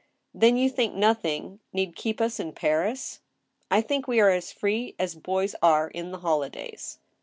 *• Then you think nothing need keep u$ in Paris ?"" I think we are as free as boys are in the holidays."